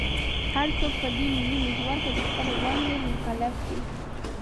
هر څوک په دې ملي محور کې د خپلې ونډې مکلف دی.